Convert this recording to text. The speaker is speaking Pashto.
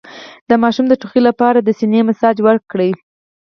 د ماشوم د ټوخي لپاره د سینه مساج وکړئ